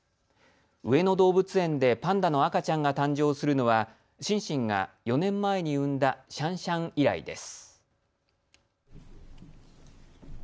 上野動物園でパンダの赤ちゃんが誕生するのはシンシンが４年前に産んだシャンシャン以来です。